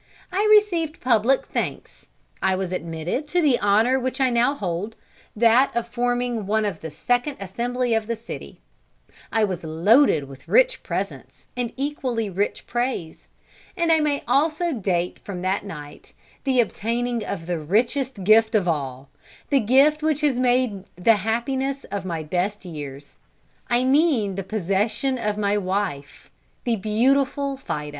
I received public thanks; I was admitted to the honour which I now hold, that of forming one of the second assembly of the city; I was loaded with rich presents, and equally rich praise; and I may also date from that night, the obtaining the richest gift of all, the gift which has made the happiness of my best years; I mean the possession of my wife, the beautiful Fida.